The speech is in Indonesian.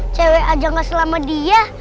cewek aja gak selama dia